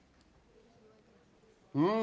うん！